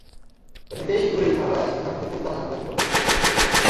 এমনিতেই ইঁদুরের ঝামেলায় আছি, তারমধ্যে কুত্তার ঝামেলায় ফেলো না।